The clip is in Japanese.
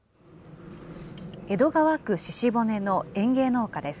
江戸川区鹿骨の園芸農家です。